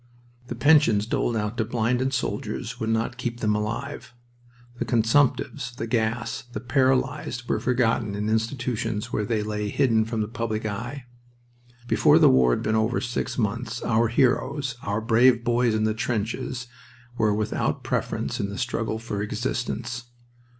The pensions doled out to blinded soldiers would not keep them alive. The consumptives, the gassed, the paralyzed, were forgotten in institutions where they lay hidden from the public eye. Before the war had been over six months "our heroes," "our brave boys in the trenches" were without preference in the struggle for existence.